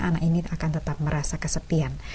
anak ini akan tetap merasa kesepian